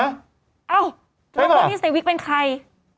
อ้าวแล้วคนที่สไตวิกเป็นใครใช่ไหม